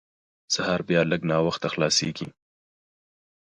سهار بیا لږ ناوخته خلاصېږي.